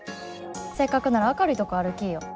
せっかくなら明るいとこ歩きいよ。